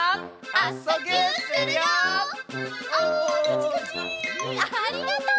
ありがとう。